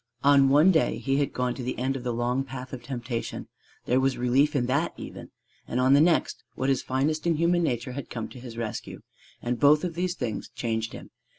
On one day he had gone to the end of the long path of temptation: there was relief in that even. And on the next what is finest in human nature had come to his rescue. And both of these things changed him.